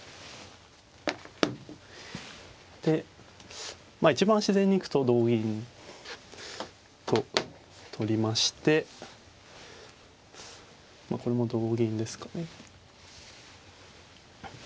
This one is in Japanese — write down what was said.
で一番自然に行くと同銀と取りましてこれも同銀ですかね。